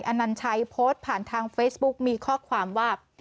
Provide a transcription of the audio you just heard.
อนัญชัยโพสต์ผ่านทางเฟซบุ๊กมีข้อความว่า